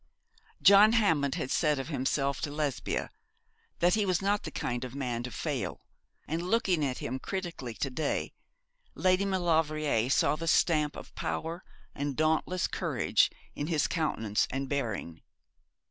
John Hammond had said of himself to Lesbia that he was not the kind of man to fail, and looking at him critically to day Lady Maulevrier saw the stamp of power and dauntless courage in his countenance and bearing.